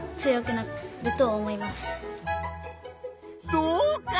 そうか！